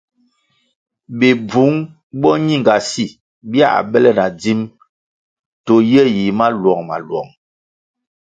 Bibvung boñingasi bia bele na dzim to ye yi maluong-maluong.